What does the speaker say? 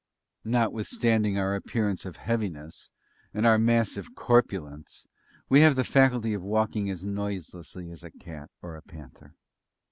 Notwithstanding our appearance of heaviness, and our massive corpulence, we have the faculty of walking as noiselessly as a cat or a panther.